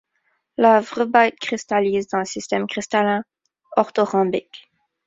La vrbaïte cristallise dans le système cristallin orthorhombique.